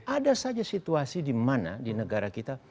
ada saja situasi dimana di negara kita